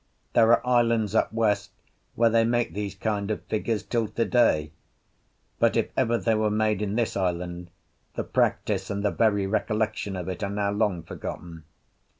There are islands up west where they make these kind of figures till to day; but if ever they were made in this island, the practice and the very recollection of it are now long forgotten.